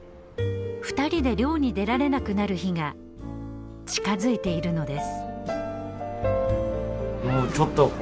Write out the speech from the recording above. ２人で漁に出られなくなる日が近づいているのです。